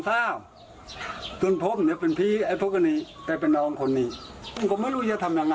ไอ้คนที่โดนยิงมันเป็นโฆษณา